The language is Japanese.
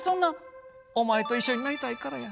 お前と一緒になりたいからや。